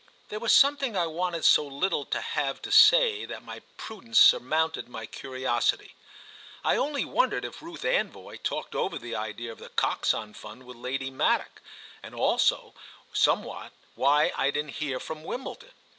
There was something I wanted so little to have to say that my prudence surmounted my curiosity. I only wondered if Ruth Anvoy talked over the idea of The Coxon Fund with Lady Maddock, and also somewhat why I didn't hear from Wimbledon.